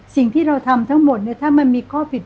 สิ่งที่เราทำทั้งหมดเนี่ยถ้ามันมีข้อผิด